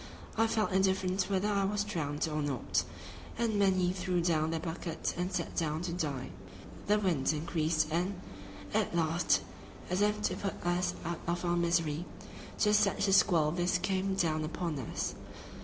I felt indifferent whether I was drowned or not, and many threw down their buckets and sat down to die. The wind increased and, at last, as if to put us out of our misery, just such a squall as this came down upon us.